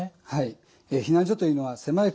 はい。